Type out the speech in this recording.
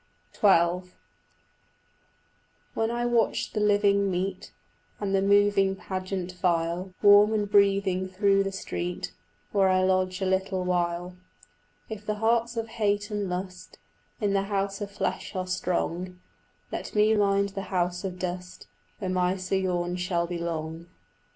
XII When I watch the living meet, And the moving pageant file Warm and breathing through the street Where I lodge a little while, If the heats of hate and lust In the house of flesh are strong, Let me mind the house of dust Where my sojourn shall be long.